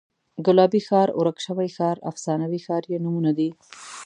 ګلابي ښار، ورک شوی ښار، افسانوي ښار یې نومونه دي.